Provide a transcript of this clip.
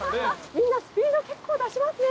みんなスピード結構出しますね。